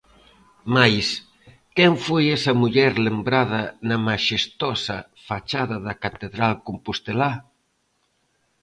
Mais, quen foi esa muller lembrada na maxestosa fachada da Catedral compostelá?